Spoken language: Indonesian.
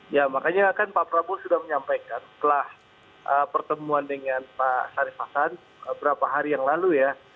ya makanya kan pak prabowo sudah menyampaikan setelah pertemuan dengan pak syarif hasan beberapa hari yang lalu ya